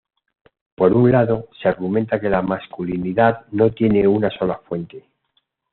Por un lado, se argumenta que la masculinidad no tiene una sola fuente.